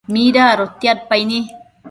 mida adotiadpaini